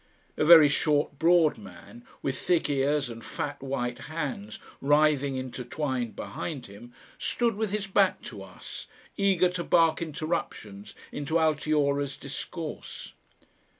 A very short broad man with thick ears and fat white hands writhing intertwined behind him, stood with his back to us, eager to bark interruptions into Altiora's discourse.